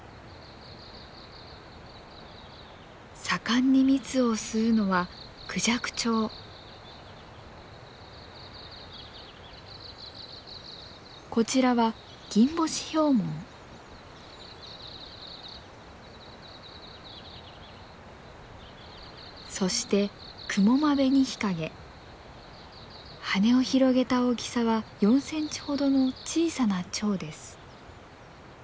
盛んに蜜を吸うのはこちらはそして羽を広げた大きさは４センチほどの小さなチョウです。